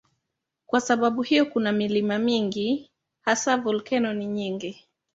Kwa sababu hiyo kuna milima mingi, hasa volkeno ni nyingi.